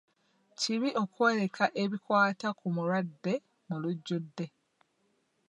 Kibi okwoleka ebikwata ku mulwadde mu lujjudde.